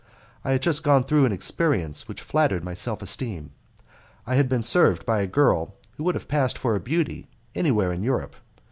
I had just gone through an experience which flattered my self esteem. I had been served by a girl who would have passed for a beauty anywhere in Europe.